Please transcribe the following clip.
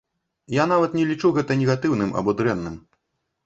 Я нават не лічу гэта негатыўным або дрэнным.